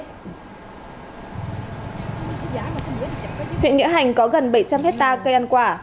huyện nghĩa hành có gần bảy trăm linh hectare cây ăn quả